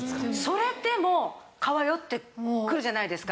それでも蚊は寄ってくるじゃないですか。